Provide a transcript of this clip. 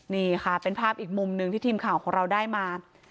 นี่ค่ะเป็นภาพอีกมุมหนึ่งที่ทีมข่าวของเราได้มา